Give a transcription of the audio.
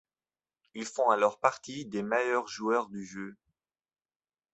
Ils font alors partis des meilleurs joueurs du jeu.